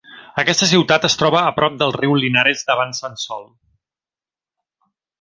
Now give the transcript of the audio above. Aquesta ciutat es troba a prop del riu Linares, davant Sansol.